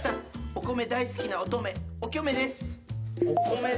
お米大好きな乙女おきょめ？